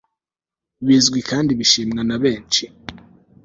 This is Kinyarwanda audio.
bizwi kandi bishimwa na benshi